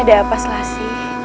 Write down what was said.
ada apa selasih